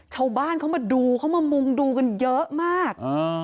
ชาวบ้านเขามาดูเขามามุงดูกันเยอะมาก